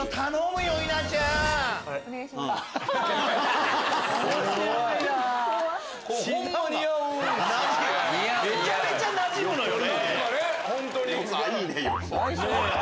めちゃめちゃなじむのよ。